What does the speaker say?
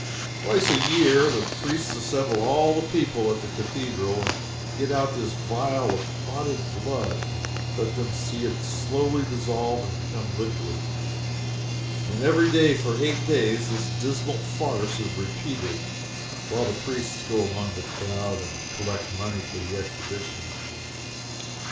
Twice a year the priests assemble all the people at the Cathedral, and get out this vial of clotted blood and let them see it slowly dissolve and become liquid and every day for eight days, this dismal farce is repeated, while the priests go among the crowd and collect money for the exhibition.